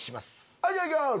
はいじゃいきまぁす！